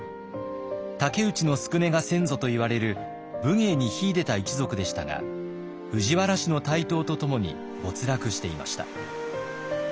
武内宿禰が先祖といわれる武芸に秀でた一族でしたが藤原氏の台頭とともに没落していました。